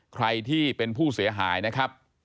ใครที่เป็นผู้เสียหายนะครับ